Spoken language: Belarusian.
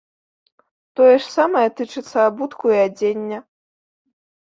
Тое ж самае тычыцца абутку, і адзення.